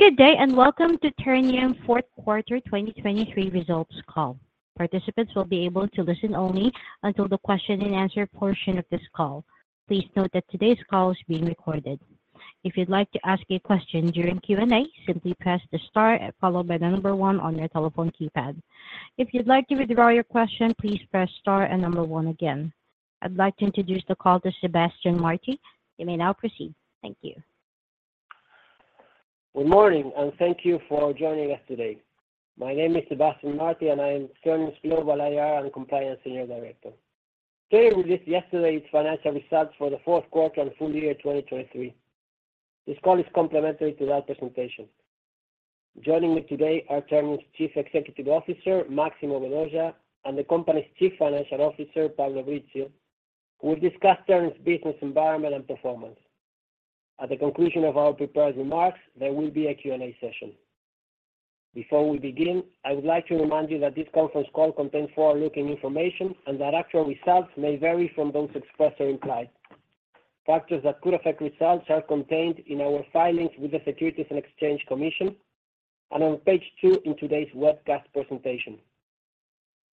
Good day, and welcome to Ternium fourth quarter 2023 results call. Participants will be able to listen only until the question-and-answer portion of this call. Please note that today's call is being recorded. If you'd like to ask a question during Q&A, simply press star, followed by the number one on your telephone keypad. If you'd like to withdraw your question, please press star and number one again. I'd like to introduce the call to Sebastián Martí. You may now proceed. Thank you. Good morning, and thank you for joining us today. My name is Sebastián Martí, and I am Ternium's Global IR and Compliance Senior Director. Today, we released yesterday's financial results for the fourth quarter and full year 2023. This call is complimentary to that presentation. Joining me today are Ternium's Chief Executive Officer, Máximo Vedoya, and the company's Chief Financial Officer, Pablo Brizzio, who will discuss Ternium's business environment and performance. At the conclusion of our prepared remarks, there will be a Q&A session. Before we begin, I would like to remind you that this conference call contains forward-looking information and that actual results may vary from those expressed or implied. Factors that could affect results are contained in our filings with the Securities and Exchange Commission and on page two in today's webcast presentation.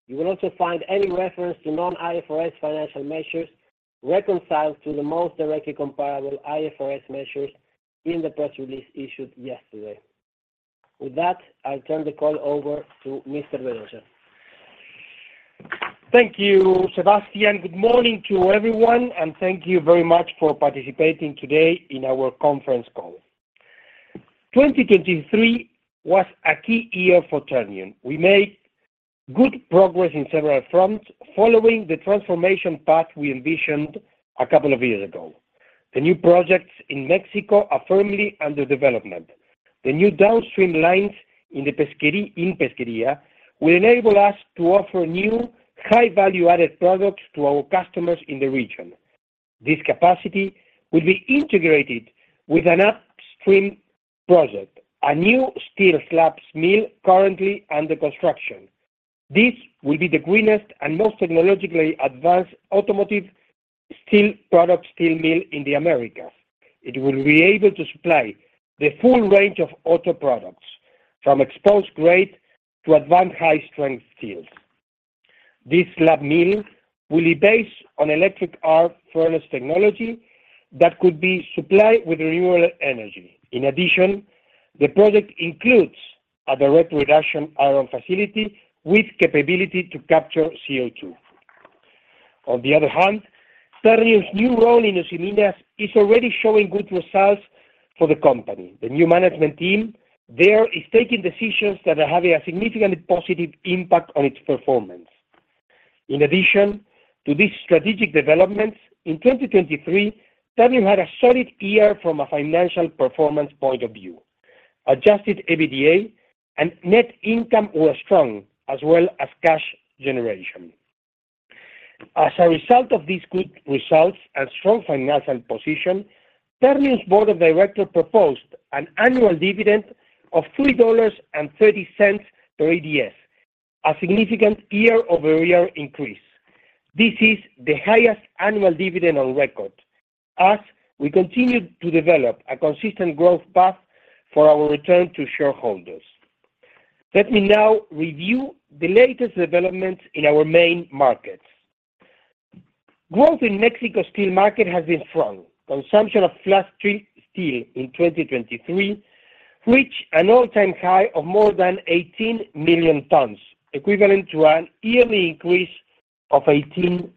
You will also find any reference to non-IFRS financial measures reconciled to the most directly comparable IFRS measures in the press release issued yesterday. With that, I'll turn the call over to Mr. Vedoya. Thank you, Sebastián. Good morning to everyone, and thank you very much for participating today in our conference call. 2023 was a key year for Ternium. We made good progress in several fronts following the transformation path we envisioned a couple of years ago. The new projects in Mexico are firmly under development. The new downstream lines in Pesquería will enable us to offer new high-value-added products to our customers in the region. This capacity will be integrated with an upstream project, a new steel slab mill currently under construction. This will be the greenest and most technologically advanced automotive steel product steel mill in the Americas. It will be able to supply the full range of auto products, from exposed grade to advanced high-strength steels. This slab mill will be based on electric arc furnace technology that could be supplied with renewable energy. In addition, the project includes a direct reduction iron facility with capability to capture CO2. On the other hand, Ternium's new role in Usiminas is already showing good results for the company. The new management team there is taking decisions that are having a significantly positive impact on its performance. In addition to these strategic developments, in 2023, Ternium had a solid year from a financial performance point of view. Adjusted EBITDA and net income were strong, as well as cash generation. As a result of these good results and strong financial position, Ternium's board of directors proposed an annual dividend of $3.30 per ADS, a significant year-over-year increase. This is the highest annual dividend on record as we continue to develop a consistent growth path for our return to shareholders. Let me now review the latest developments in our main markets. Growth in Mexico steel market has been strong. Consumption of flat steel in 2023 reached an all-time high of more than 18 million tons, equivalent to a yearly increase of 18%.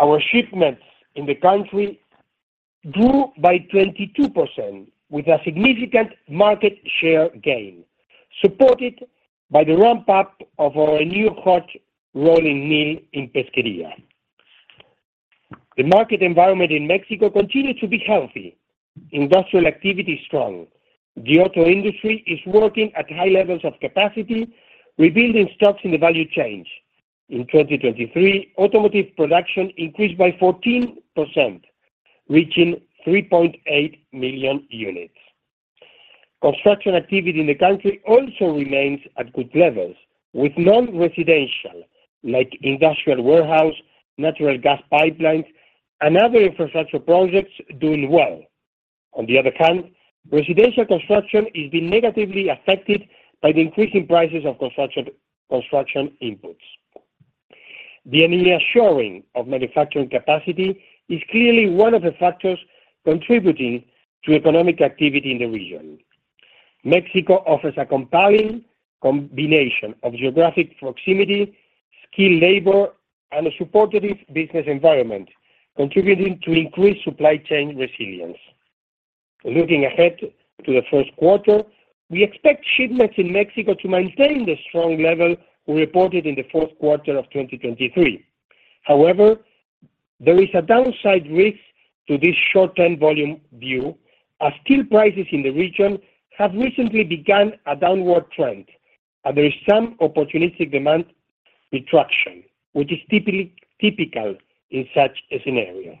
Our shipments in the country grew by 22%, with a significant market share gain, supported by the ramp-up of our new hot rolling mill in Pesquería. The market environment in Mexico continues to be healthy, industrial activity strong. The auto industry is working at high levels of capacity, rebuilding stocks in the value chain. In 2023, automotive production increased by 14%, reaching 3.8 million units. Construction activity in the country also remains at good levels, with non-residential, like industrial warehouse, natural gas pipelines, and other infrastructure projects doing well. On the other hand, residential construction is being negatively affected by the increasing prices of construction, construction inputs. The initial showing of manufacturing capacity is clearly one of the factors contributing to economic activity in the region. Mexico offers a compelling combination of geographic proximity, skilled labor, and a supportive business environment, contributing to increased supply chain resilience. Looking ahead to the first quarter, we expect shipments in Mexico to maintain the strong level we reported in the fourth quarter of 2023. However, there is a downside risk to this short-term volume view, as steel prices in the region have recently begun a downward trend, and there is some opportunistic demand retraction, which is typically in such a scenario.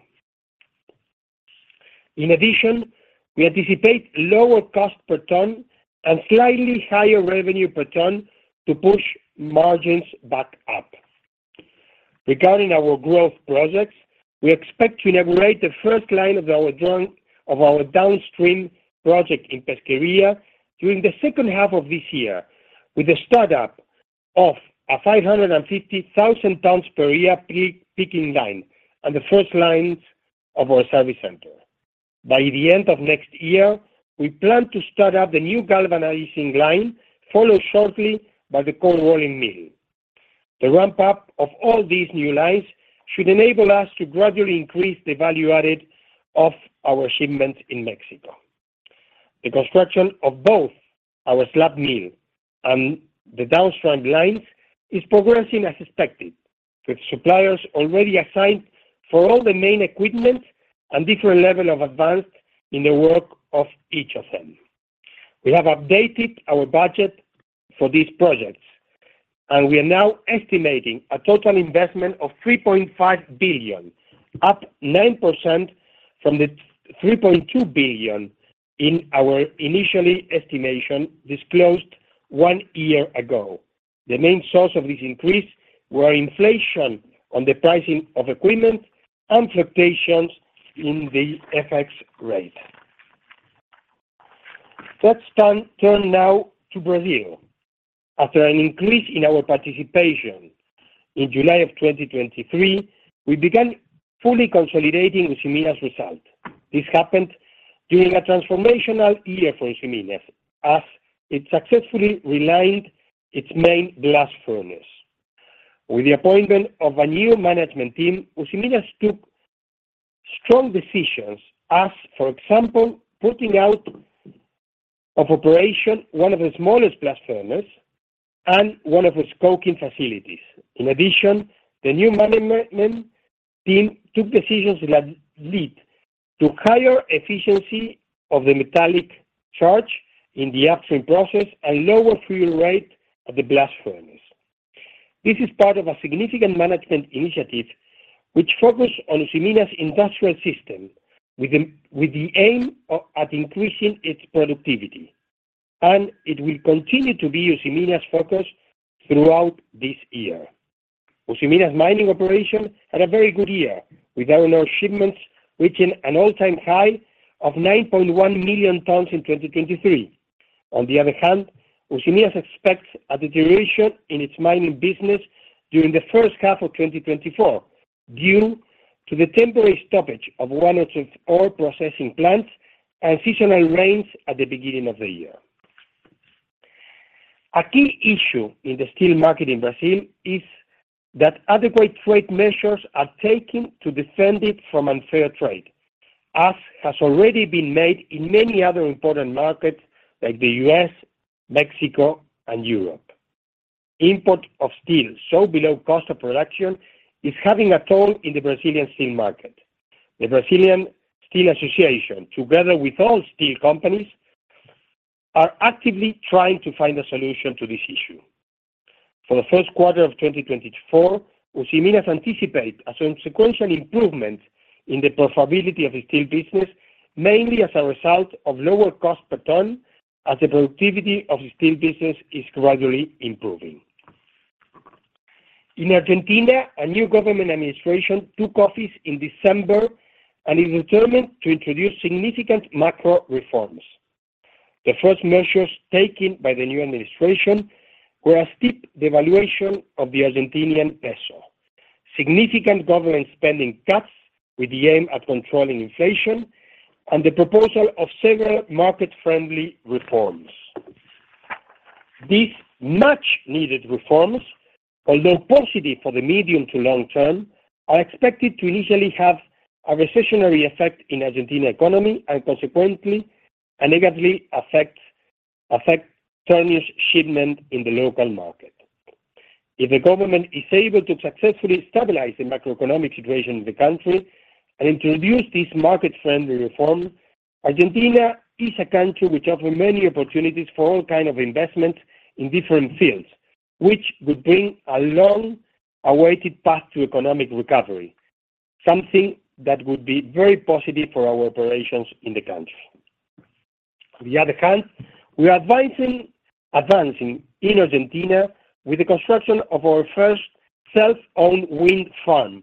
In addition, we anticipate lower cost per ton and slightly higher revenue per ton to push margins back up. Regarding our growth projects, we expect to inaugurate the first line of our downstream project in Pesquería during the second half of this year, with the startup of a 550,000 tons per year pickling line and the first lines of our service center. By the end of next year, we plan to start up the new galvanizing line, followed shortly by the cold rolling mill. The ramp-up of all these new lines should enable us to gradually increase the value added of our shipments in Mexico. The construction of both our slab mill and the downstream lines is progressing as expected, with suppliers already assigned for all the main equipment and different level of advance in the work of each of them. We have updated our budget for these projects, and we are now estimating a total investment of $3.5 billion, up 9% from the $3.2 billion in our initial estimation disclosed one year ago. The main source of this increase were inflation on the pricing of equipment and fluctuations in the FX rate. Let's turn now to Brazil. After an increase in our participation in July 2023, we began fully consolidating Usiminas' result. This happened during a transformational year for Usiminas, as it successfully relined its main blast furnace. With the appointment of a new management team, Usiminas took strong decisions as, for example, putting out of operation one of the smallest blast furnaces and one of its coking facilities. In addition, the new management team took decisions that lead to higher efficiency of the metallic charge in the upstream process and lower fuel rate of the blast furnace. This is part of a significant management initiative which focus on Usiminas' industrial system, with the aim of increasing its productivity, and it will continue to be Usiminas' focus throughout this year. Usiminas' mining operation had a very good year, with iron ore shipments reaching an all-time high of 9.1 million tons in 2023. On the other hand, Usiminas expects a deterioration in its mining business during the first half of 2024, due to the temporary stoppage of one of its ore processing plants and seasonal rains at the beginning of the year. A key issue in the steel market in Brazil is that adequate trade measures are taken to defend it from unfair trade, as has already been made in many other important markets like the U.S., Mexico, and Europe. Import of steel sold below cost of production is taking a toll in the Brazilian steel market. The Brazilian Steel Association, together with all steel companies, are actively trying to find a solution to this issue. For the first quarter of 2024, Usiminas anticipate a sequential improvement in the profitability of the steel business, mainly as a result of lower cost per ton, as the productivity of the steel business is gradually improving. In Argentina, a new government administration took office in December and is determined to introduce significant macro reforms. The first measures taken by the new administration were a steep devaluation of the Argentine peso, significant government spending cuts with the aim at controlling inflation, and the proposal of several market-friendly reforms. These much needed reforms, although positive for the medium to long term, are expected to initially have a recessionary effect in Argentine economy and consequently, negatively affect Ternium's shipment in the local market. If the government is able to successfully stabilize the macroeconomic situation in the country and introduce this market-friendly reform, Argentina is a country which offer many opportunities for all kind of investment in different fields, which would bring a long-awaited path to economic recovery, something that would be very positive for our operations in the country. On the other hand, we are advancing in Argentina with the construction of our first self-owned wind farm,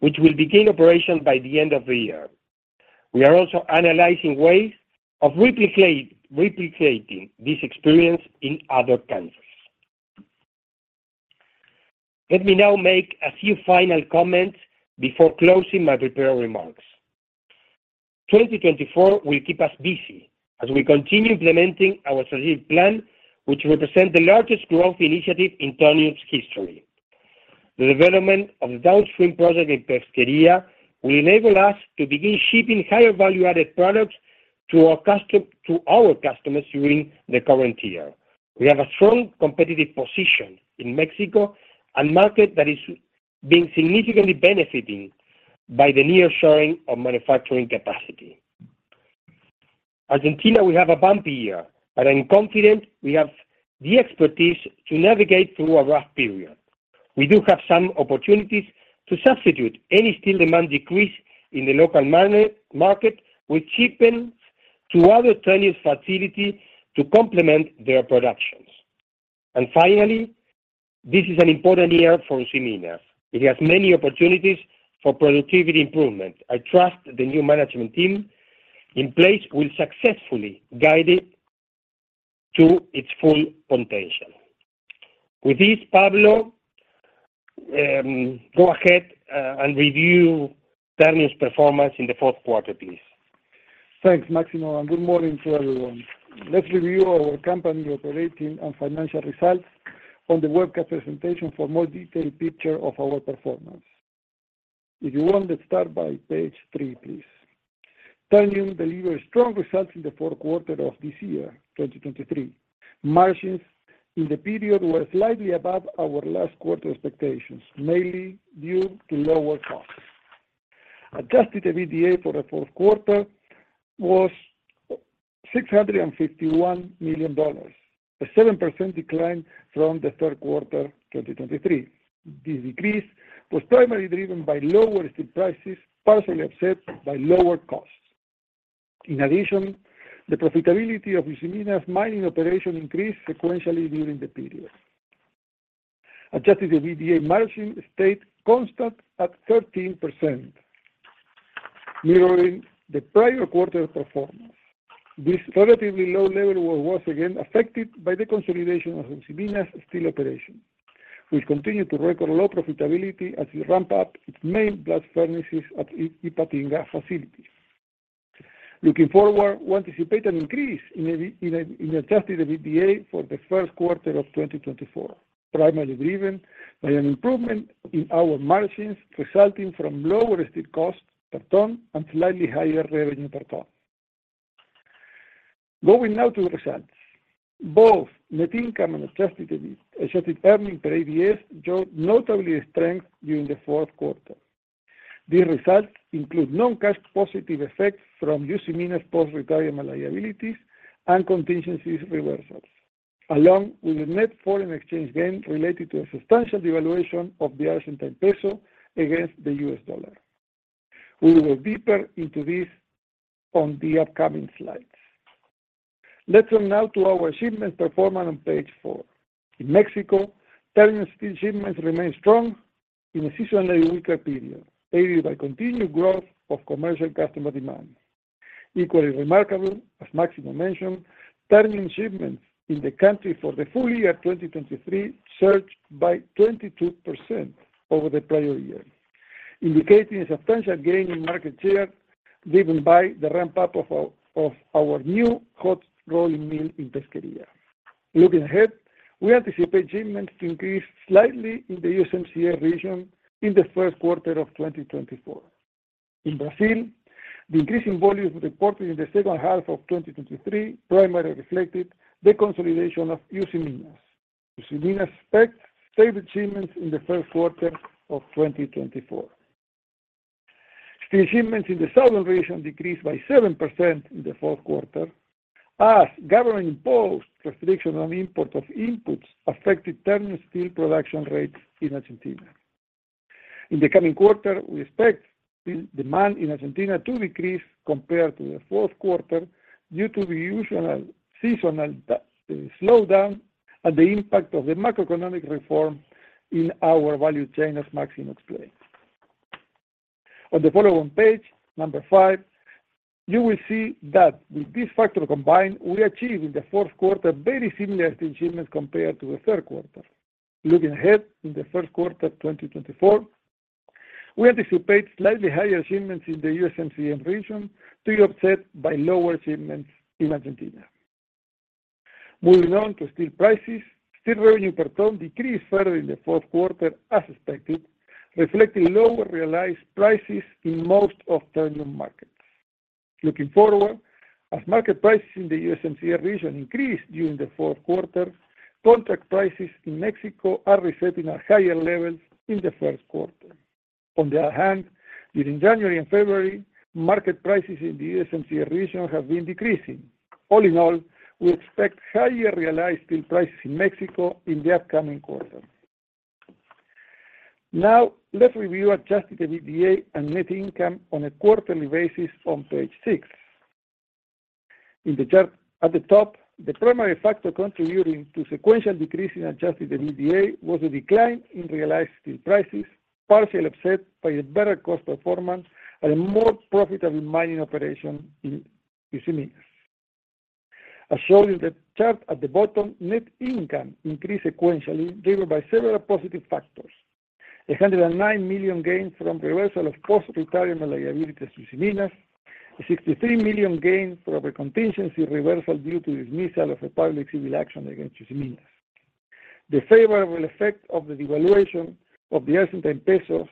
which will begin operation by the end of the year. We are also analyzing ways of replicating this experience in other countries. Let me now make a few final comments before closing my prepared remarks. 2024 will keep us busy as we continue implementing our strategic plan, which represent the largest growth initiative in Ternium's history. The development of the downstream project in Pesquería will enable us to begin shipping higher value-added products to our customers during the current year. We have a strong competitive position in Mexico, a market that is being significantly benefiting by the nearshoring of manufacturing capacity. Argentina will have a bumpy year, but I'm confident we have the expertise to navigate through a rough period. We do have some opportunities to substitute any steel demand decrease in the local market with shipping to other Ternium facilities to complement their productions. And finally, this is an important year for Usiminas. It has many opportunities for productivity improvement. I trust the new management team in place will successfully guide it to its full potential. With this, Pablo, go ahead, and review Ternium's performance in the fourth quarter, please. Thanks, Máximo, and good morning to everyone. Let's review our company operating and financial results on the webcast presentation for a more detailed picture of our performance. If you want, let's start by page three, please. Ternium delivered strong results in the fourth quarter of this year, 2023. Margins in the period were slightly above our last quarter expectations, mainly due to lower costs. Adjusted EBITDA for the fourth quarter was $651 million, a 7% decline from the third quarter 2023. This decrease was primarily driven by lower steel prices, partially offset by lower costs. In addition, the profitability of Usiminas' mining operation increased sequentially during the period. Adjusted EBITDA margin stayed constant at 13%, mirroring the prior quarter performance. This relatively low level was, once again, affected by the consolidation of Usiminas' steel operation, which continued to record low profitability as we ramp up its main blast furnaces at Ipatinga facilities. Looking forward, we anticipate an increase in Adjusted EBITDA for the first quarter of 2024, primarily driven by an improvement in our margins, resulting from lower steel costs per ton and slightly higher revenue per ton. Going now to results. Both net income and adjusted earnings per ADS showed notable strength during the fourth quarter. These results include non-cash positive effects from Usiminas' post-retirement liabilities and contingencies reversals, along with a net foreign exchange gain related to a substantial devaluation of the Argentine peso against the US dollar. We will go deeper into this on the upcoming slides. Let's turn now to our shipments performance on page four. In Mexico, Ternium's steel shipments remained strong in a seasonally weaker period, aided by continued growth of commercial customer demand. Equally remarkable, as Máximo mentioned, Ternium shipments in the country for the full year 2023 surged by 22% over the prior year, indicating a substantial gain in market share, driven by the ramp-up of our new hot rolling mill in Pesquería. Looking ahead, we anticipate shipments to increase slightly in the USMCA region in the first quarter of 2024. In Brazil, the increase in volumes reported in the second half of 2023 primarily reflected the consolidation of Usiminas. Usiminas expects stable shipments in the first quarter of 2024. Shipments in the southern region decreased by 7% in the fourth quarter, as government-imposed restrictions on import of inputs affected Ternium steel production rates in Argentina. In the coming quarter, we expect steel demand in Argentina to decrease compared to the fourth quarter due to the usual seasonal slowdown and the impact of the macroeconomic reform in our value chain, as Máximo explained. On the following page, number five, you will see that with these factors combined, we achieved in the fourth quarter very similar shipments compared to the third quarter. Looking ahead, in the first quarter of 2024, we anticipate slightly higher shipments in the USMCA region to be offset by lower shipments in Argentina. Moving on to steel prices. Steel revenue per ton decreased further in the fourth quarter, as expected, reflecting lower realized prices in most of Ternium markets. Looking forward, as market prices in the USMCA region increased during the fourth quarter, contract prices in Mexico are resetting at higher levels in the first quarter. On the other hand, during January and February, market prices in the USMCA region have been decreasing. All in all, we expect higher realized steel prices in Mexico in the upcoming quarter. Now, let's review Adjusted EBITDA and net income on a quarterly basis on page six. In the chart at the top, the primary factor contributing to sequential decrease in Adjusted EBITDA was a decline in realized steel prices, partially offset by a better cost performance and a more profitable mining operation in Usiminas. As shown in the chart at the bottom, net income increased sequentially, driven by several positive factors: $109 million gains from reversal of post-retirement liabilities to Usiminas, $63 million gains from a contingency reversal due to dismissal of a public civil action against Usiminas. The favorable effect of the devaluation of the Argentine pesos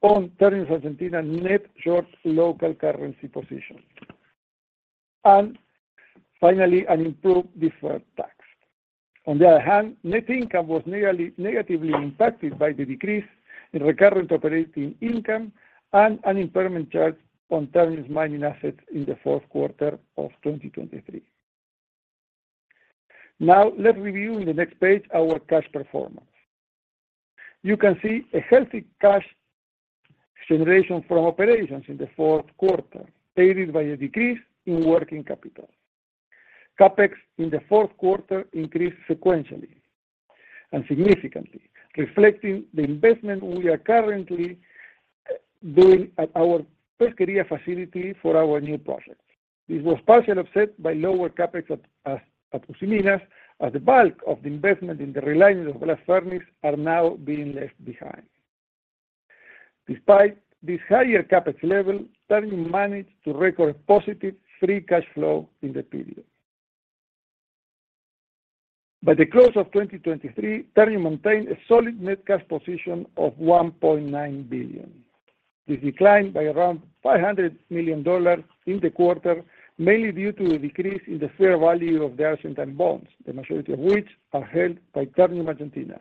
on Ternium's Argentina net short local currency position. And finally, an improved deferred tax. On the other hand, net income was nearly negatively impacted by the decrease in recurrent operating income and an impairment charge on Ternium's mining assets in the fourth quarter of 2023. Now let's review in the next page our cash performance. You can see a healthy cash generation from operations in the fourth quarter, aided by a decrease in working capital. CapEx in the fourth quarter increased sequentially and significantly, reflecting the investment we are currently doing at our Pesquería facility for our new project. This was partially offset by lower CapEx at Usiminas, as the bulk of the investment in the relining of the blast furnace is now being left behind. Despite this higher CapEx level, Ternium managed to record positive free cash flow in the period. By the close of 2023, Ternium maintained a solid net cash position of $1.9 billion. This declined by around $500 million in the quarter, mainly due to a decrease in the fair value of the Argentine bonds, the majority of which are held by Ternium Argentina.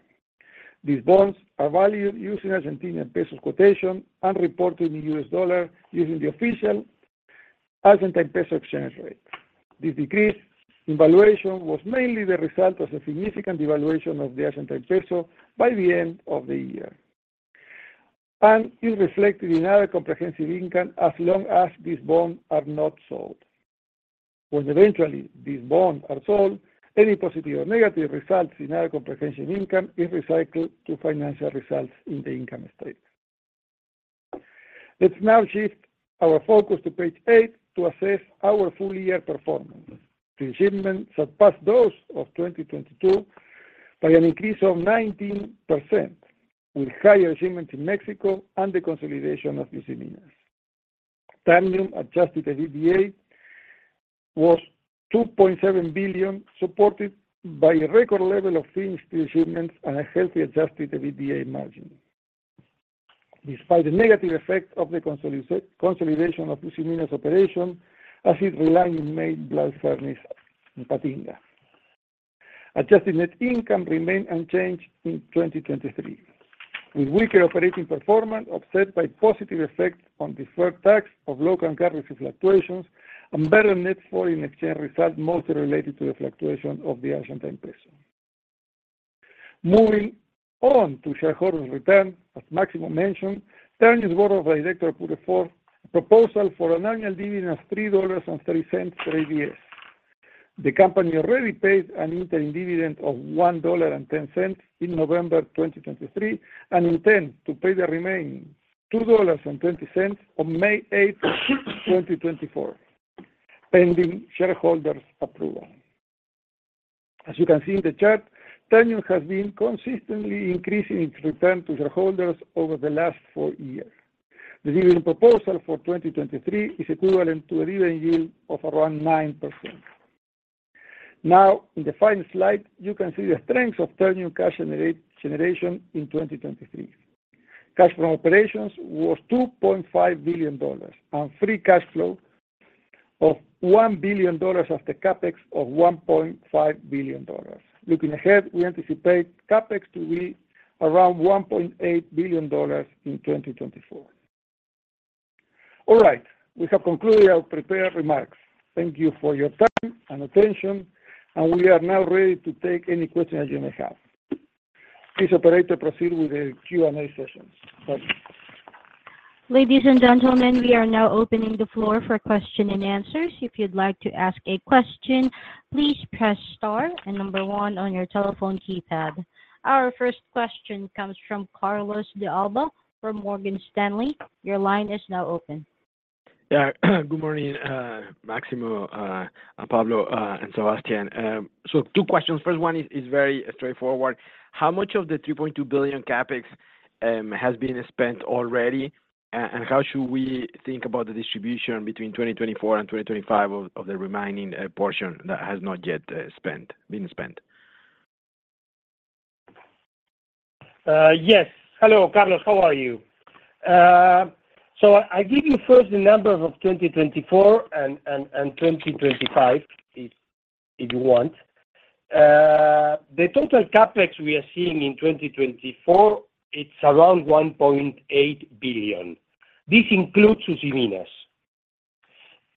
These bonds are valued using Argentine peso quotation and reported in US dollar using the official Argentine peso exchange rate. This decrease in valuation was mainly the result of a significant devaluation of the Argentine peso by the end of the year, and is reflected in our comprehensive income as long as these bonds are not sold. When eventually these bonds are sold, any positive or negative results in our comprehensive income is recycled to financial results in the income statement. Let's now shift our focus to page eight to assess our full-year performance. The shipments surpassed those of 2022 by an increase of 19%, with higher shipments in Mexico and the consolidation of Usiminas. Ternium's Adjusted EBITDA was $2.7 billion, supported by a record level of finished shipments and a healthy Adjusted EBITDA margin. Despite the negative effect of the consolidation of Usiminas operation, as its relining of the blast furnace in Ipatinga. Adjusted net income remained unchanged in 2023, with weaker operating performance offset by positive effects on deferred tax of local and currency fluctuations, and better net foreign exchange results, mostly related to the fluctuation of the Argentine peso. Moving on to shareholder return, as Máximo mentioned, Ternium's board of directors put forth a proposal for an annual dividend of $3.30 per year. The company already paid an interim dividend of $1.10 in November 2023, and intend to pay the remaining $2.20 on May 8, 2024, pending shareholders approval. As you can see in the chart, Ternium has been consistently increasing its return to shareholders over the last four years. The dividend proposal for 2023 is equivalent to a dividend yield of around 9%. Now, in the final slide, you can see the strength of Ternium cash generation in 2023. Cash from operations was $2.5 billion, and free cash flow of $1 billion after CapEx of $1.5 billion. Looking ahead, we anticipate CapEx to be around $1.8 billion in 2024. All right, we have concluded our prepared remarks. Thank you for your time and attention, and we are now ready to take any questions you may have. Please, operator, proceed with the Q&A session. Thank you. Ladies and gentlemen, we are now opening the floor for question and answers. If you'd like to ask a question, please press star and number one on your telephone keypad. Our first question comes from Carlos de Alba from Morgan Stanley. Your line is now open. Yeah, good morning, Máximo, Pablo, and Sebastián. So two questions. First one is very straightforward: How much of the $3.2 billion CapEx has been spent already? And how should we think about the distribution between 2024 and 2025 of the remaining portion that has not yet been spent? Yes. Hello, Carlos, how are you? So I give you first the numbers of 2024 and 2025, if you want. The total CapEx we are seeing in 2024, it's around $1.8 billion. This includes Usiminas.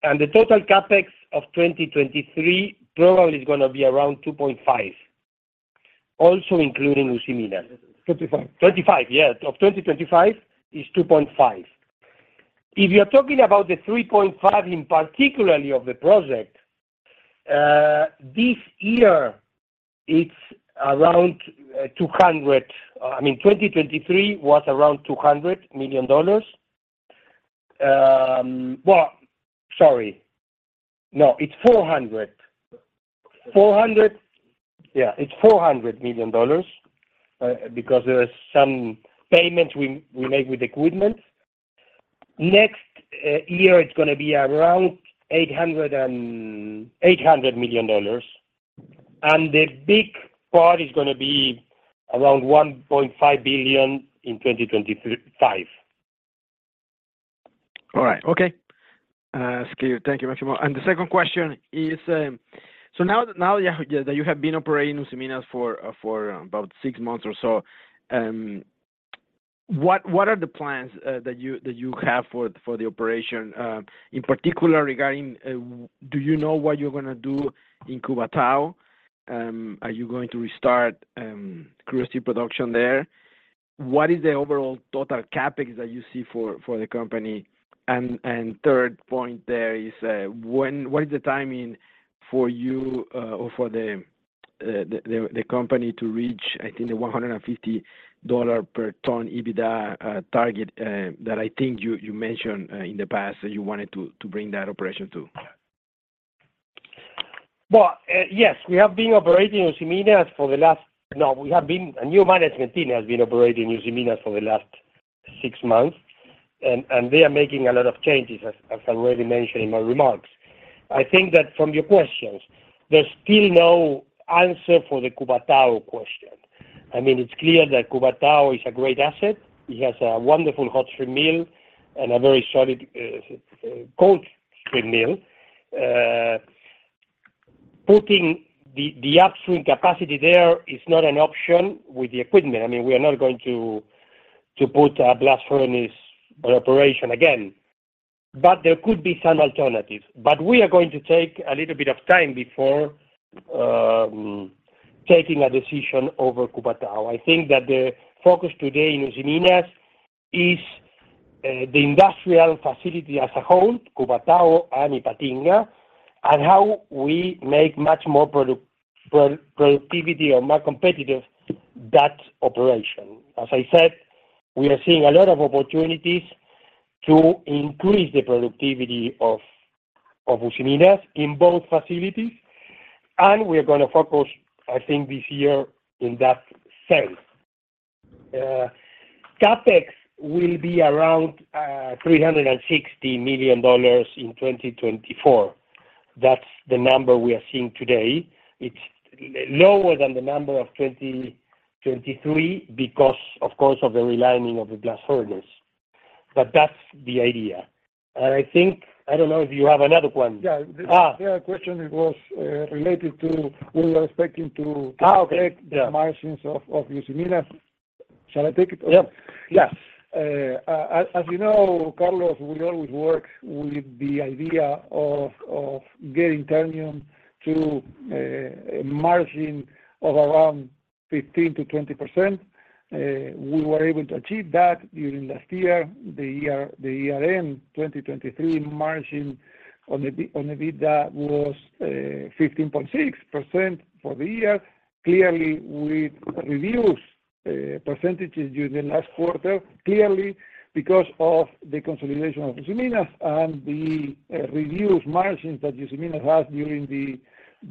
And the total CapEx of 2023 probably is gonna be around $2.5 billion, also including Usiminas. 25. 25, yeah, of 2025 is $2.5. If you are talking about the $3.5 in particularly of the project, this year it's around, 200-- I mean, 2023 was around $200 million. Sorry. No, it's 400. 400, yeah, it's $400 million, because there is some payments we made with equipment. Next year, it's gonna be around 800 and... $800 million, and the big part is gonna be around $1.5 billion in 2025. All right. Okay. Thank you, Máximo. And the second question is, so now, now that you have been operating Usiminas for about six months or so, what are the plans that you have for the operation, in particular regarding, do you know what you're gonna do in Cubatão? Are you going to restart crude production there? What is the overall total CapEx that you see for the company? And third point there is, what is the timing for you or for the company to reach, I think the $150 per ton EBITDA target that I think you mentioned in the past that you wanted to bring that operation to? Well, yes, we have been operating Usiminas for the last— No, we have been— a new management team has been operating Usiminas for the last six months, and they are making a lot of changes, as I already mentioned in my remarks. I think that from your questions, there's still no answer for the Cubatão question. I mean, it's clear that Cubatão is a great asset. It has a wonderful hot strip mill and a very solid cold strip mill. Putting the upstream capacity there is not an option with the equipment. I mean, we are not going to put a blast furnace in operation again. But there could be some alternatives. But we are going to take a little bit of time before taking a decision over Cubatão. I think that the focus today in Usiminas is the industrial facility as a whole, Cubatão and Ipatinga, and how we make much more productivity or more competitive that operation. As I said, we are seeing a lot of opportunities to increase the productivity of Usiminas in both facilities, and we are gonna focus, I think, this year in that sense. CapEx will be around $360 million in 2024. That's the number we are seeing today. It's lower than the number of 2023 because, of course, of the relining of the blast furnace. But that's the idea. And I think... I don't know if you have another one. Yeah. Ah! The other question was, related to we are expecting to- Ah, okay. Yeah Take the margins of Usiminas. Shall I take it? Yeah. Yes. As you know, Carlos, we always work with the idea of getting Ternium to a margin of around 15%-20%. We were able to achieve that during last year. The year-end, 2023 margin on EBITDA was 15.6% for the year. Clearly, we reduced percentages during the last quarter, clearly because of the consolidation of Usiminas and the reduced margins that Usiminas had during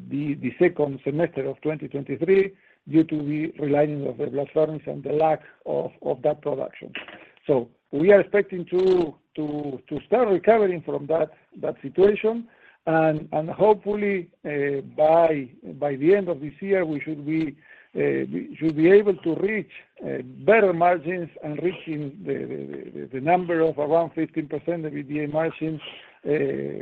the second semester of 2023, due to the relining of the blast furnace and the lack of that production. So we are expecting to start recovering from that situation, and hopefully, by the end of this year, we should be able to reach better margins and reaching the number of around 15% EBITDA margins, all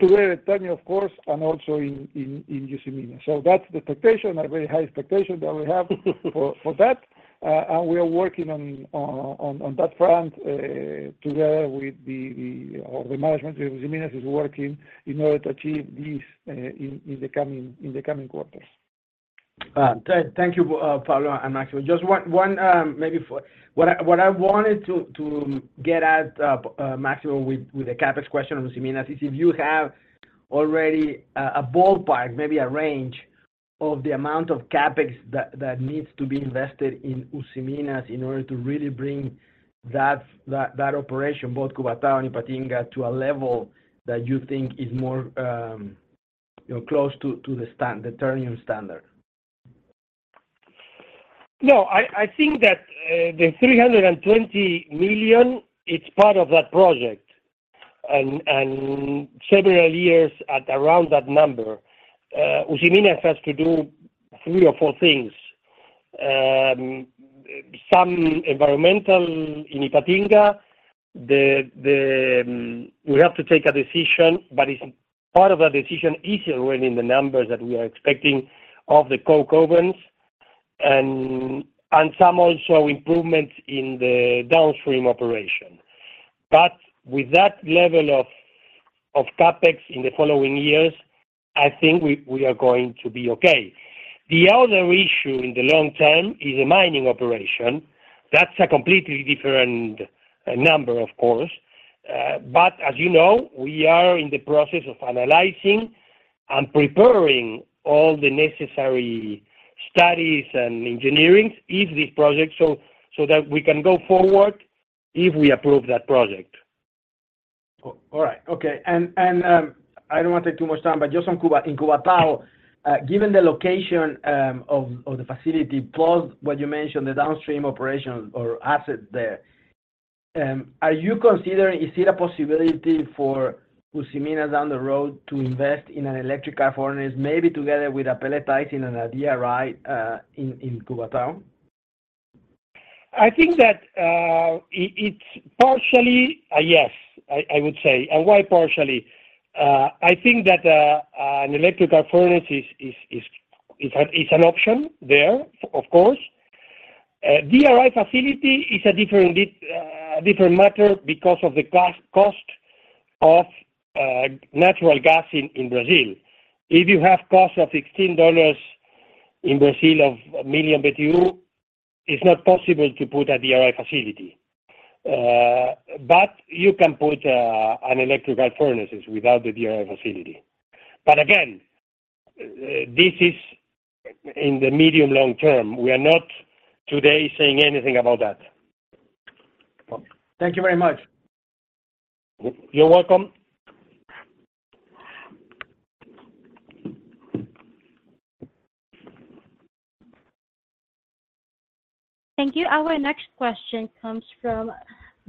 together at Ternium, of course, and also in Usiminas. So that's the expectation, a very high expectation that we have for that, and we are working on that front, together with the management of Usiminas is working in order to achieve this, in the coming quarters. Thank you, Pablo and Máximo. Just one, one, maybe for... What I wanted to get at, Máximo, with the CapEx question on Usiminas is if you have already a ballpark, maybe a range, of the amount of CapEx that needs to be invested in Usiminas in order to really bring that operation, both Cubatão and Ipatinga, to a level that you think is more, you know, close to the Ternium standard. No, I think that the $320 million, it's part of that project, and several years at around that number. Usiminas has to do three or four things. Some environmental in Ipatinga, we have to take a decision, but it's part of a decision, easier when in the numbers that we are expecting of the coke ovens and some also improvements in the downstream operation. But with that level of CapEx in the following years, I think we are going to be okay. The other issue in the long term is a mining operation. That's a completely different number, of course. But as you know, we are in the process of analyzing and preparing all the necessary studies and engineering if this project, so that we can go forward if we approve that project. All right. Okay. I don't want to take too much time, but just on Cuba- in Cubatão, given the location of the facility, plus what you mentioned, the downstream operations or assets there, are you considering, is it a possibility for Usiminas down the road to invest in an electric arc furnace, maybe together with a pelletizing and a DRI, in Cubatão? I think that it's partially a yes, I would say. And why partially? I think that an electrical furnace is. It's an option there, of course. DRI facility is a different matter because of the cost of natural gas in Brazil. If you have cost of $16 in Brazil of million BTU, it's not possible to put a DRI facility. But you can put an electrical furnaces without the DRI facility. But again, this is in the medium long term. We are not today saying anything about that. Thank you very much. You're welcome. Thank you. Our next question comes from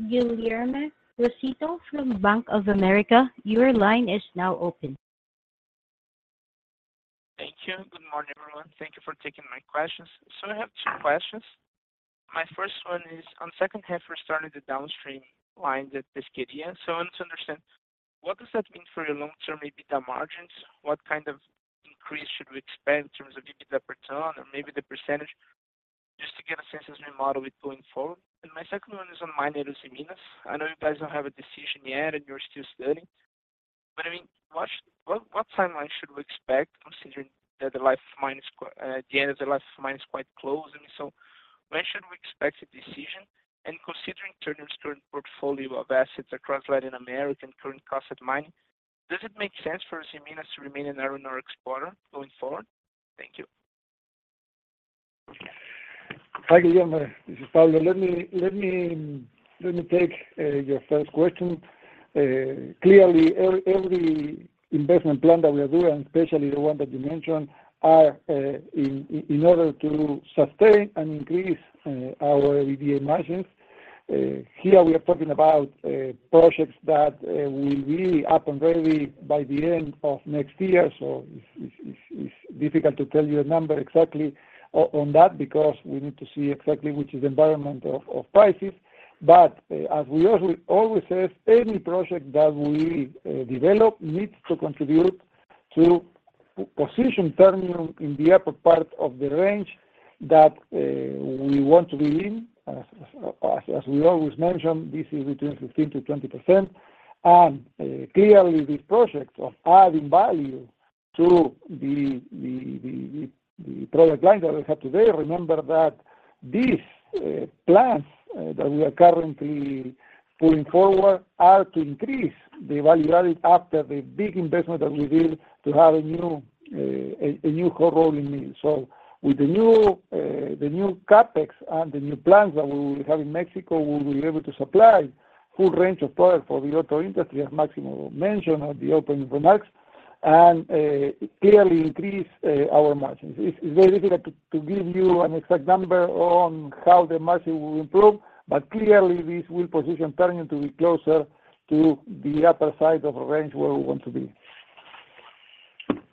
Guilherme Rosito from Bank of America. Your line is now open. Thank you. Good morning, everyone. Thank you for taking my questions. So I have two questions. My first one is, on second half, we started the downstream line at Pesquería. So I want to understand, what does that mean for your long-term EBITDA margins? What kind of increase should we expect in terms of EBITDA per ton or maybe the percentage, just to get a sense as we model it going forward? And my second one is on mine in Usiminas. I know you guys don't have a decision yet, and you're still studying, but I mean, what timeline should we expect, considering that the end of the life of mine is quite close? I mean, so when should we expect a decision? Considering Ternium's current portfolio of assets across Latin America and current cost of mining, does it make sense for Usiminas to remain an iron ore explorer going forward? Thank you. Hi, Guilherme. This is Pablo. Let me take your first question. Clearly, every investment plan that we are doing, especially the one that you mentioned, are in order to sustain and increase our EBITDA margins. Here we are talking about projects that will really happen very by the end of next year. So it's difficult to tell you a number exactly on that, because we need to see exactly which is environment of prices. But, as we always says, any project that we develop needs to contribute to position Ternium in the upper part of the range that we want to be in. As we always mention, this is between 15%-20%. Clearly, this project of adding value to the product line that we have today. Remember that these plans that we are currently pulling forward are to increase the value added after the big investment that we did to have a new hot rolling mill. With the new CapEx and the new plans that we will have in Mexico, we will be able to supply full range of products for the auto industry, as Máximo mentioned at the opening remarks, and clearly increase our margins. It's very difficult to give you an exact number on how the margin will improve, but clearly, this will position Ternium to be closer to the upper side of the range where we want to be.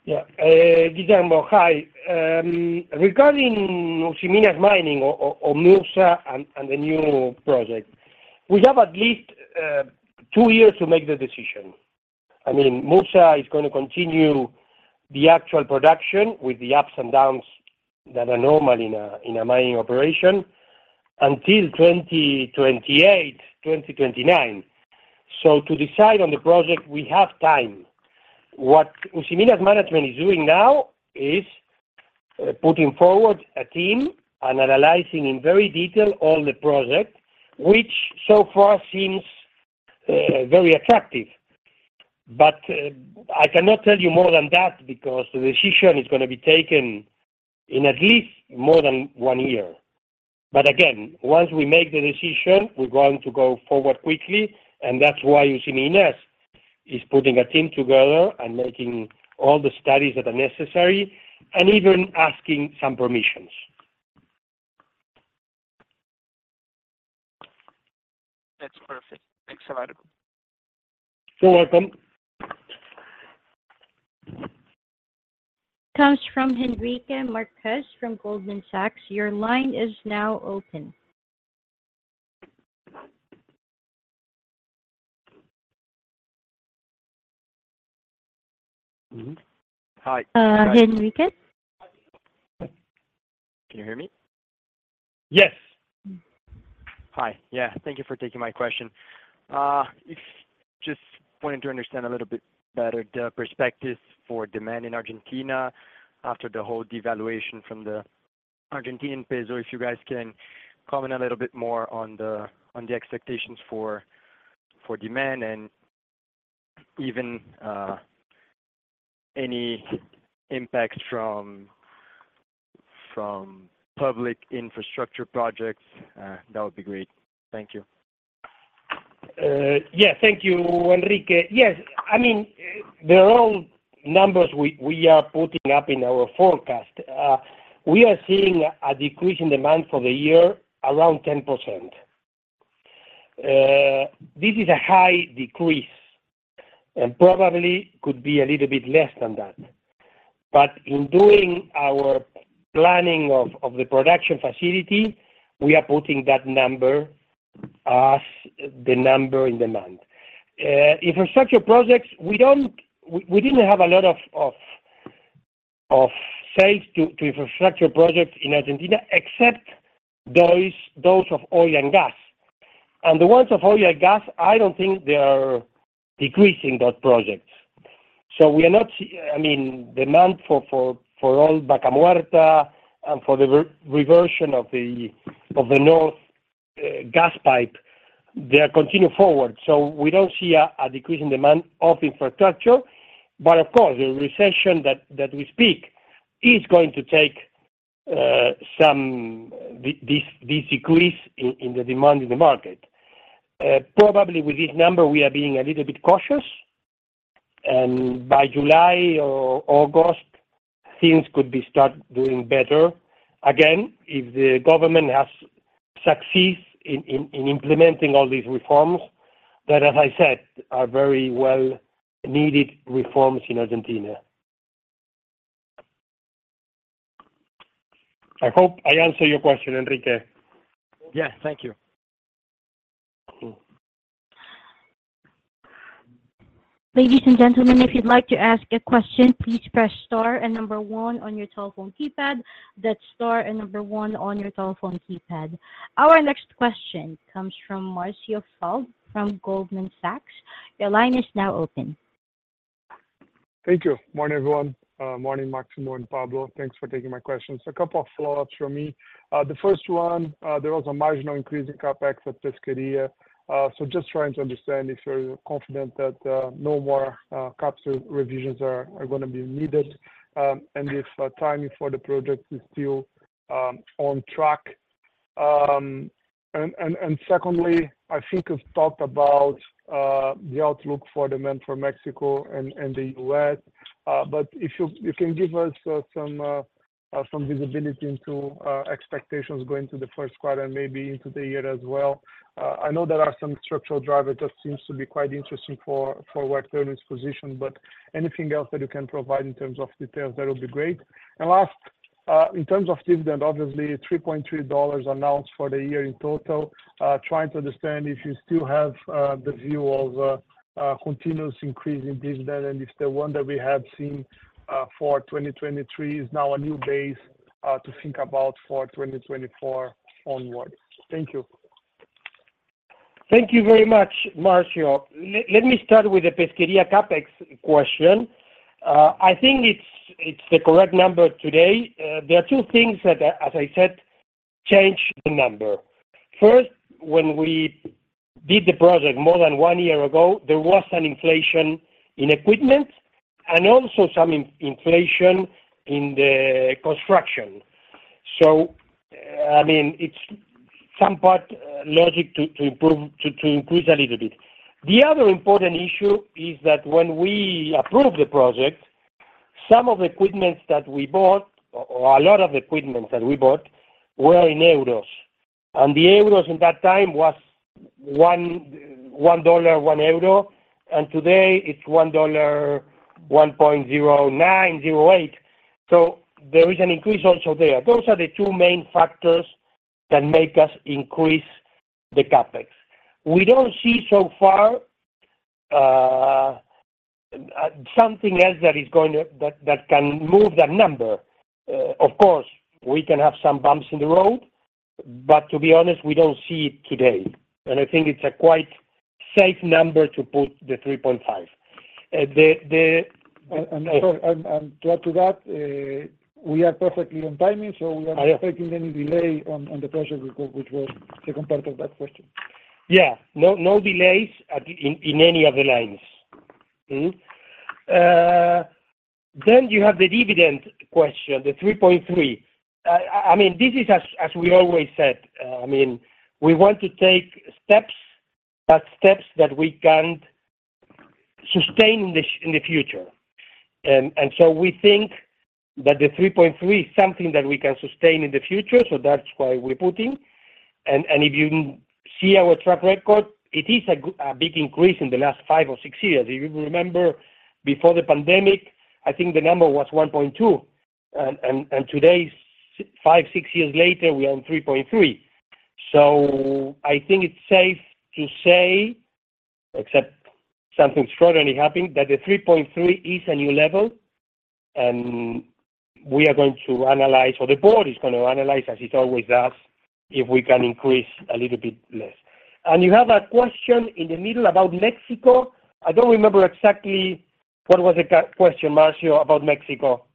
Yeah. Guilherme, hi. Regarding Usiminas mining or MUSA and the new project, we have at least two years to make the decision. I mean, MUSA is gonna continue the actual production with the ups and downs that are normal in a mining operation until 2028, 2029. So to decide on the project, we have time. What Usiminas management is doing now is putting forward a team and analyzing in very detail all the project, which so far seems very attractive. But I cannot tell you more than that because the decision is gonna be taken in at least more than one year. But again, once we make the decision, we're going to go forward quickly, and that's why Usiminas is putting a team together and making all the studies that are necessary and even asking some permissions. That's perfect. Thanks a lot. You're welcome. Comes from Enrique Marquez from Goldman Sachs. Your line is now open. Mm-hmm. Hi- Uh, Enrique? Can you hear me? Yes. Hi. Yeah, thank you for taking my question. Just wanting to understand a little bit better the perspectives for demand in Argentina after the whole devaluation from the Argentine peso. If you guys can comment a little bit more on the expectations for demand and even any impact from public infrastructure projects, that would be great. Thank you. Yeah, thank you, Enrique. Yes. I mean, the raw numbers we are putting up in our forecast, we are seeing a decrease in demand for the year around 10%. This is a high decrease and probably could be a little bit less than that. But in doing our planning of the production facility, we are putting that number as the number in demand. Infrastructure projects, we didn't have a lot of sales to infrastructure projects in Argentina, except those of oil and gas. And the ones of oil and gas, I don't think they are decreasing those projects. So we are not seeing. I mean, demand for all Vaca Muerta and for the reversion of the North Gas Pipe, they are continuing forward. So we don't see a decrease in demand of infrastructure. But of course, the recession that we speak is going to take some this decrease in the demand in the market. Probably with this number, we are being a little bit cautious, and by July or August, things could be start doing better. Again, if the government has success in implementing all these reforms, that, as I said, are very well-needed reforms in Argentina. I hope I answer your question, Enrique. Yes. Thank you. Cool. Ladies and gentlemen, if you'd like to ask a question, please press star and number one on your telephone keypad. That's star and number one on your telephone keypad. Our next question comes from Marcio Farid from Goldman Sachs. Your line is now open. Thank you. Morning, everyone. Morning, Máximo and Pablo. Thanks for taking my questions. A couple of follow-ups from me. The first one, there was a marginal increase in CapEx at Pesquería. So just trying to understand if you're confident that no more CapEx revisions are gonna be needed, and if timing for the project is still on track. And secondly, I think you've talked about the outlook for demand for Mexico and the U.S., but if you can give us some visibility into expectations going to the first quarter and maybe into the year as well. I know there are some structural drivers, it just seems to be quite interesting for Western's position, but anything else that you can provide in terms of details, that would be great. And last, in terms of dividend, obviously, $3.3 announced for the year in total. Trying to understand if you still have the view of a continuous increase in dividend, and if the one that we have seen for 2023 is now a new base to think about for 2024 onwards. Thank you. Thank you very much, Marcio. Let me start with the Pesquería CapEx question. I think it's the correct number today. There are two things that, as I said, change the number. First, when we did the project more than one year ago, there was an inflation in equipment and also some inflation in the construction. So, I mean, it's some part logic to improve, to increase a little bit. The other important issue is that when we approved the project, some of the equipments that we bought, or a lot of the equipments that we bought, were in euros. And the euros in that time was one, $1, 1 euro, and today it's $1, $1.0908. So there is an increase also there. Those are the two main factors that make us increase the CapEx. We don't see so far something else that is going to... that can move that number. Of course, we can have some bumps in the road, but to be honest, we don't see it today, and I think it's a quite safe number to put the 3.5. The- To add to that, we are perfectly on timing, so we are- Yeah... expecting any delay on the project, which was the second part of that question. Yeah. No, no delays in any of the lines. Then you have the dividend question, the $3.3. I mean, this is as we always said, I mean, we want to take steps, but steps that we can sustain in the future. And so we think that the $3.3 is something that we can sustain in the future, so that's why we're putting. And if you see our track record, it is a big increase in the last five or six years. If you remember, before the pandemic, I think the number was $1.2, and today, five, six years later, we are on $3.3. So I think it's safe to say, except something extraordinary happened, that the $3.3 is a new level, and we are going to analyze, or the board is going to analyze, as it always does, if we can increase a little bit less. And you have a question in the middle about Mexico. I don't remember exactly what was the question, Marcio, about Mexico.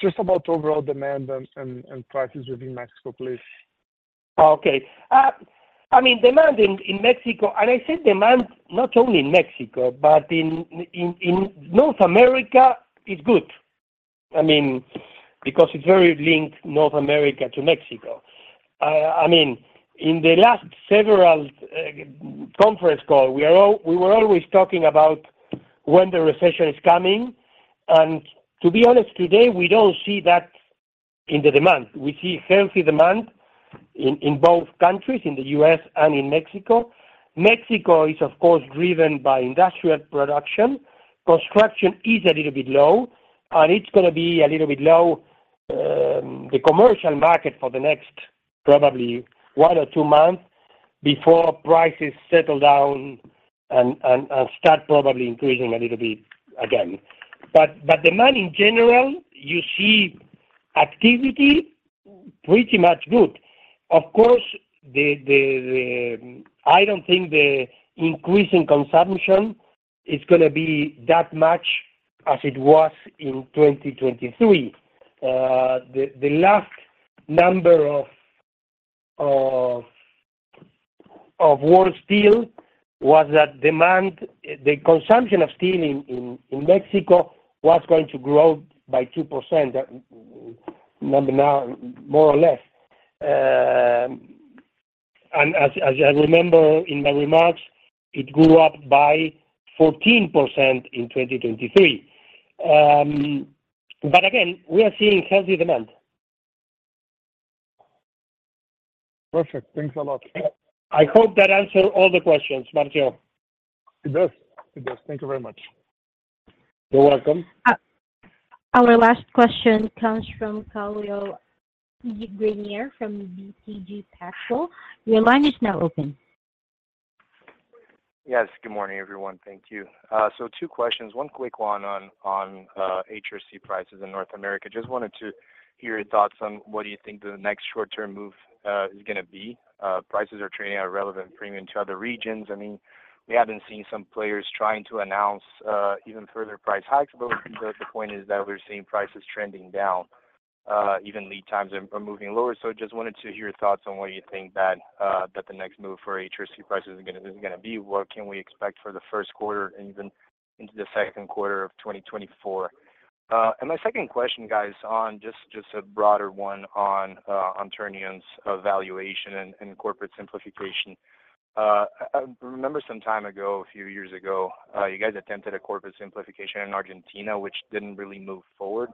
Just about overall demand and prices within Mexico, please. Okay. I mean, demand in Mexico, and I said demand not only in Mexico, but in North America, is good. I mean, because it's very linked, North America to Mexico. I mean, in the last several conference call, we were always talking about when the recession is coming, and to be honest, today, we don't see that in the demand. We see healthy demand in both countries, in the U.S. and in Mexico. Mexico is, of course, driven by industrial production. Construction is a little bit low, and it's gonna be a little bit low the commercial market for the next probably one or two months before prices settle down and start probably increasing a little bit again. But demand in general, you see activity pretty much good. Of course, the—I don't think the increase in consumption is gonna be that much as it was in 2023. The last number of world steel was that demand, the consumption of steel in Mexico was going to grow by 2%, that number now, more or less. And as I remember in my remarks, it grew up by 14% in 2023. But again, we are seeing healthy demand. Perfect. Thanks a lot. I hope that answered all the questions, Marcio. It does. It does. Thank you very much. You're welcome. Our last question comes from Caio Greiner from BTG Pactual. Your line is now open. Yes, good morning, everyone. Thank you. So two questions. One quick one on HRC prices in North America. Just wanted to hear your thoughts on what do you think the next short-term move is gonna be? Prices are trading at a relevant premium to other regions. I mean, we haven't seen some players trying to announce even further price hikes. But the point is that we're seeing prices trending down, even lead times are moving lower. So just wanted to hear your thoughts on where you think that the next move for HRC prices is gonna be. What can we expect for the first quarter and even into the second quarter of 2024? And my second question, guys, on just a broader one on Ternium's valuation and corporate simplification. I remember some time ago, a few years ago, you guys attempted a corporate simplification in Argentina, which didn't really move forward.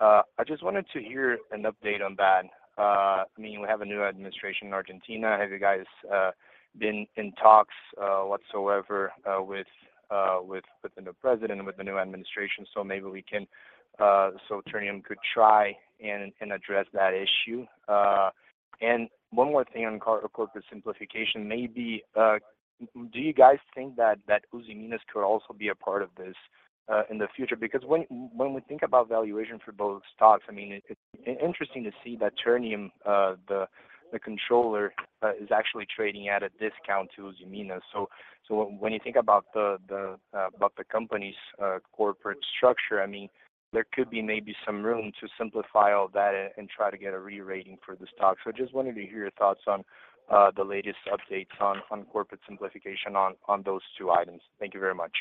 I just wanted to hear an update on that. I mean, we have a new administration in Argentina. Have you guys been in talks whatsoever with the new president and with the new administration? So Ternium could try and address that issue. And one more thing on corporate simplification, maybe do you guys think that Usiminas could also be a part of this in the future? Because when we think about valuation for both stocks, I mean, it's interesting to see that Ternium, the controller, is actually trading at a discount to Usiminas. So when you think about the about the company's corporate structure, I mean, there could be maybe some room to simplify all that and try to get a re-rating for the stock. So just wanted to hear your thoughts on the latest updates on corporate simplification on those two items. Thank you very much.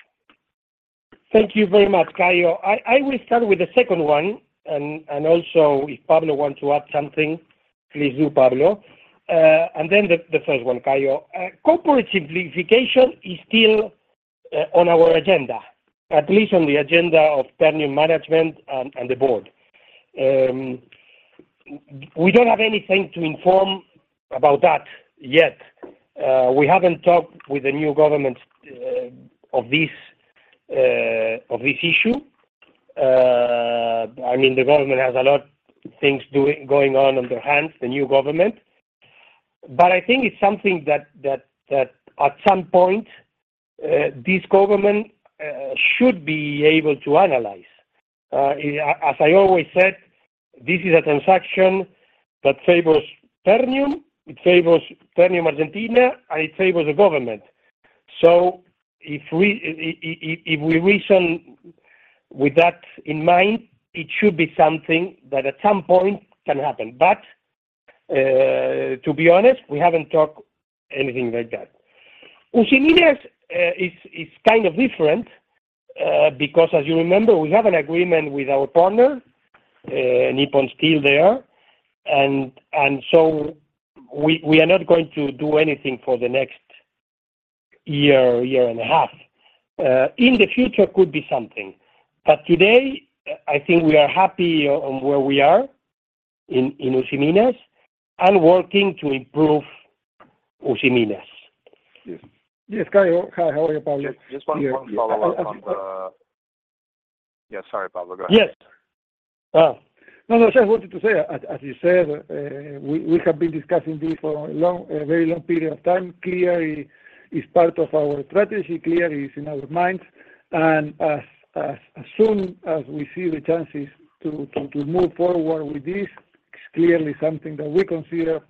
Thank you very much, Caio. I will start with the second one, and also if Pablo want to add something, please do, Pablo. And then the first one, Caio. Corporate simplification is still on our agenda, at least on the agenda of Ternium management and the board. We don't have anything to inform about that yet. We haven't talked with the new government of this issue. I mean, the government has a lot things going on on their hands, the new government. But I think it's something that at some point this government should be able to analyze. As I always said, this is a transaction that favors Ternium, it favors Ternium Argentina, and it favors the government. So if we, if we reason with that in mind, it should be something that at some point can happen. But, to be honest, we haven't talked anything like that. Usiminas is kind of different, because as you remember, we have an agreement with our partner, Nippon Steel, there. And so we are not going to do anything for the next year and a half. In the future could be something, but today, I think we are happy on where we are in Usiminas and working to improve Usiminas. Yes. Yes, Caio. Hi, how are you? Pablo here. Just one, one follow-up on the... Yeah, sorry, Pablo, go ahead. Yes. No, no, I just wanted to say, as you said, we have been discussing this for a very long period of time. Clearly, is part of our strategy, clearly is in our minds, and as soon as we see the chances to move forward with this, it's clearly something that we consider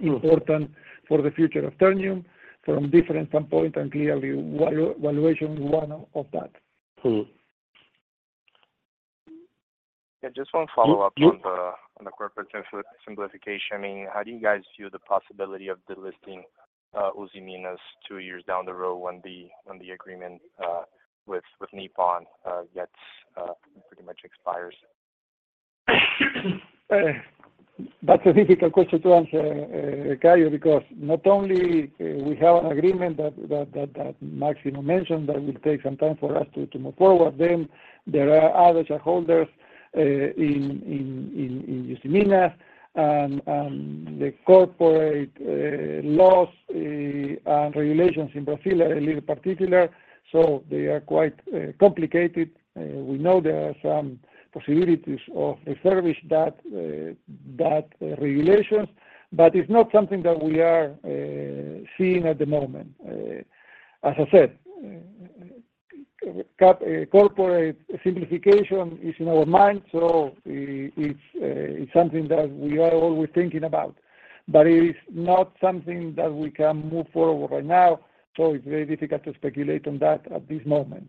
important for the future of Ternium from different standpoint, and clearly, value-valuation, one of that. Mm-hmm. Yeah, just one follow-up- You? - on the corporate simplification. I mean, how do you guys view the possibility of delisting Usiminas two years down the road when the agreement with Nippon gets pretty much expires? That's a difficult question to answer, Caio, because not only we have an agreement that Máximo mentioned that will take some time for us to move forward, then there are other shareholders in Usiminas, and the corporate laws and regulations in Brazil are a little particular, so they are quite complicated. We know there are some possibilities of establish that regulations, but it's not something that we are seeing at the moment. As I said, ... corporate simplification is in our mind, so it's something that we are always thinking about. But it is not something that we can move forward right now, so it's very difficult to speculate on that at this moment.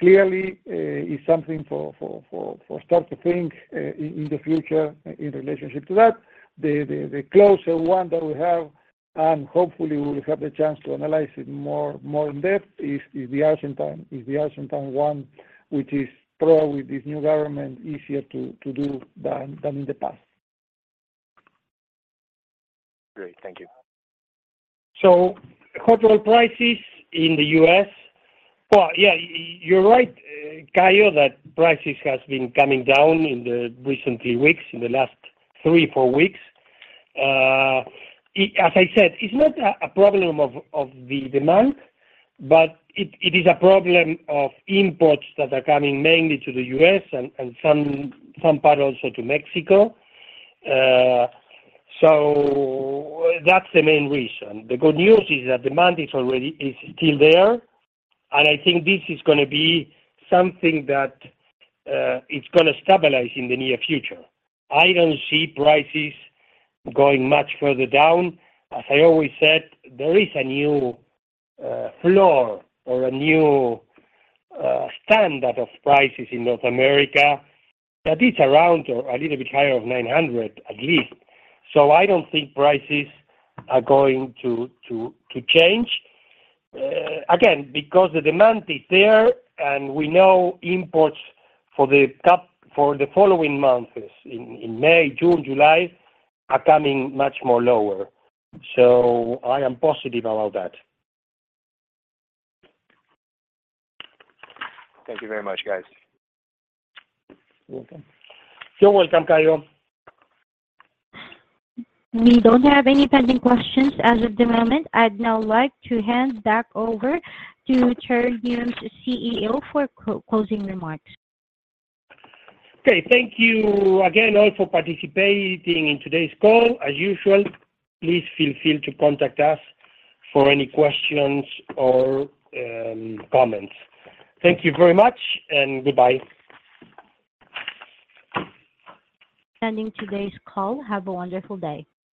Clearly, it's something for start to think in the future in relationship to that. The closer one that we have, and hopefully we'll have the chance to analyze it more in depth, is the Argentine one, which is probably with this new government, easier to do than in the past. Great. Thank you. So crude oil prices in the U.S. Well, yeah, you're right, Caio, that prices has been coming down in the recent three weeks, in the last three, four weeks. As I said, it's not a problem of the demand, but it is a problem of imports that are coming mainly to the U.S. and some part also to Mexico. So that's the main reason. The good news is that demand is still there, and I think this is gonna be something that it's gonna stabilize in the near future. I don't see prices going much further down. As I always said, there is a new floor or a new standard of prices in North America, that is around or a little bit higher of $900, at least. I don't think prices are going to change again, because the demand is there, and we know imports for the cap for the following months, in May, June, July, are coming much more lower. I am positive about that. Thank you very much, guys. You're welcome. You're welcome, Caio. We don't have any pending questions as of the moment. I'd now like to hand back over to Chair and CEO, for closing remarks. Okay, thank you again, all, for participating in today's call. As usual, please feel free to contact us for any questions or comments. Thank you very much, and goodbye. Ending today's call. Have a wonderful day.